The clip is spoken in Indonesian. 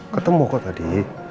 ketemu kok tadi